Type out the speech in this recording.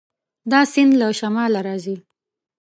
دا سیند له شماله راځي.